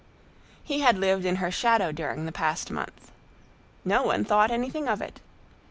He had lived in her shadow during the past month. No one thought anything of it.